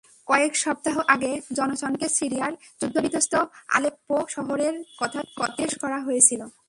কয়েক সপ্তাহ আগে জনসনকে সিরিয়ার যুদ্ধবিধ্বস্ত আলেপ্পো শহরের কথা জিজ্ঞেস করা হয়েছিল।